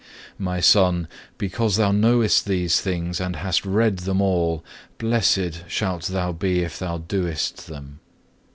4. "My son, because thou knowest these things and hast read them all, blessed shalt thou be if thou doest them.